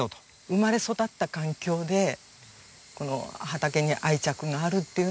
生まれ育った環境でこの畑に愛着があるっていうのは感じました。